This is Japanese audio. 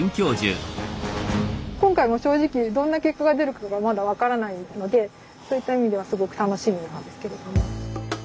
今回もう正直どんな結果が出るかがまだ分からないのでそういった意味ではすごく楽しみなんですけれども。